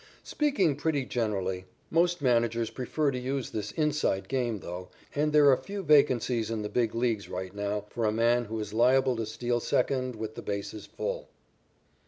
Speaking pretty generally, most managers prefer to use this "inside" game, though, and there are few vacancies in the Big Leagues right now for the man who is liable to steal second with the bases full.